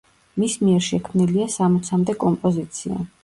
მის მიერ შექმნილია სამოცამდე კომპოზიცია.